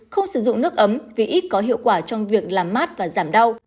không sử dụng nước ấm vì ít có hiệu quả trong việc làm mát và giảm đau